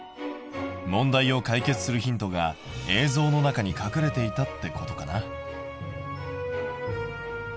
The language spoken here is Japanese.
問題を解決するヒントが映像の中に隠れていたってことかな？